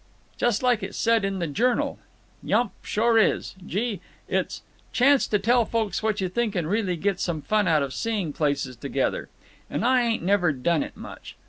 Just like it said in the Journal. Yump, sure is. Gee! it's—Chance to tell folks what you think and really get some fun out of seeing places together. And I ain't ever done it much.